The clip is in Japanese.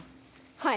はい。